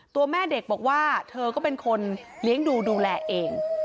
ตัวแม่เด็กบอกว่าเธอก็เป็นคนเลี้ยงดูดูแลเอง